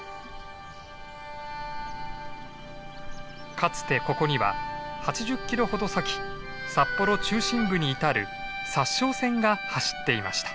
かつてここには８０キロほど先札幌中心部に至る札沼線が走っていました。